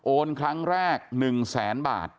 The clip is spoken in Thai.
โอนครั้งแรกหนึ่งแสนบาท